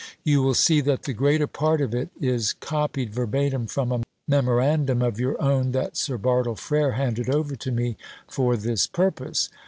You will see that the greater part of it is copied verbatim from a memorandum of your own that Sir Bartle Frere handed over to me for this purpose."